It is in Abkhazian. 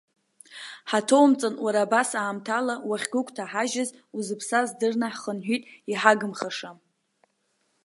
Ҳаҭоумҵан, уара абас аамҭала уахьгәыгәҭаҳажьыз, узыԥсаз дырны ҳхынҳәит, иҳагымхаша!